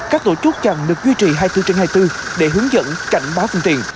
các tổ chốt chặn được duy trì hai mươi bốn trên hai mươi bốn để hướng dẫn cảnh báo phương tiện